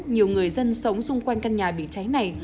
nhiều người dân sống xung quanh căn nhà bị cháy này